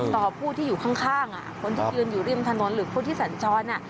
ผู้ที่อยู่ข้างคนที่ยืนอยู่ริมถนนหรือผู้ที่สัญจร